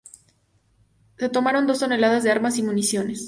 Se tomaron dos toneladas de armas y municiones.